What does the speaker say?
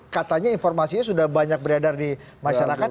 katanya informasinya sudah banyak beredar di masyarakat